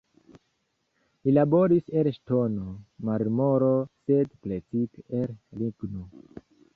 Li laboris el ŝtono, marmoro, sed precipe el ligno.